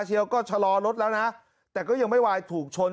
เชียวก็ชะลอรถแล้วนะแต่ก็ยังไม่ไหวถูกชน